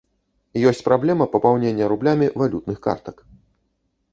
Ёсць праблема папаўнення рублямі валютных картак.